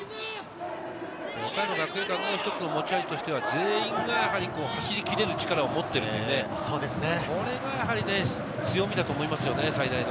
岡山学芸館のひとつの持ち味としては、全員が走り切れる力を持っている、これが強みだと思います、最大の。